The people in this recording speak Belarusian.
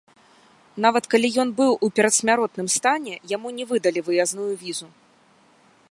Нават калі ён быў у перадсмяротным стане, яму не выдалі выязную візу.